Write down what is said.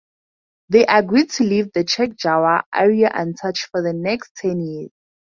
They agreed to leave the Chek Jawa area untouched for the next ten years.